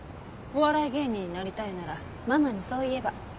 お笑い芸人になりたいならママにそう言えば。